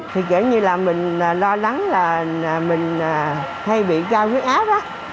thì kể như là mình lo lắng là mình hay bị cao khuyết ác đó